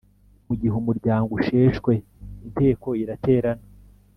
mu gihe umuryango usheshwe inteko iraterana